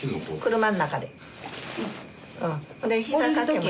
車ん中で。